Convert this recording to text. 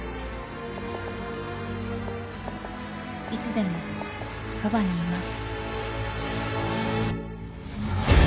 「いつでもそばにいます」。